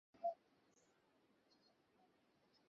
তুমি কিছু খাবে না?